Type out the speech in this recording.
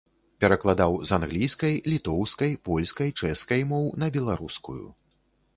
Перакладаў з англійскай, літоўскай, польскай, чэшскай моў на беларускую.